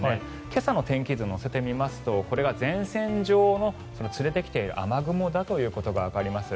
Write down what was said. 今朝の天気図を乗せてみますとこれが前線上の連れてきている雨雲だということがわかります。